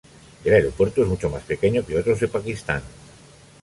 El aeropuerto es mucho más pequeño que otros de Pakistán.